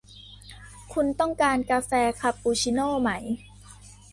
คุณต้องการกาแฟคาปูชิโน่ไหม